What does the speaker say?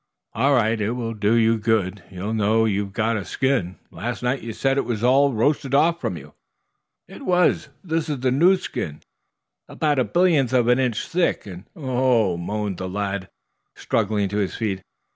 "All right, it will do you good. You'll know you've got a skin. Last night you said it was all roasted off from you." "It was. This is the new skin, about a billionth of an inch thick, and oh h h h," moaned the lad, struggling to his feet.